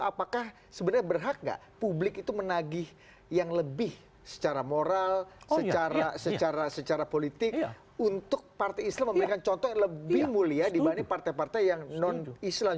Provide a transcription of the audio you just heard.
apakah sebenarnya berhak gak publik itu menagih yang lebih secara moral secara politik untuk partai islam memberikan contoh yang lebih mulia dibanding partai partai yang non islam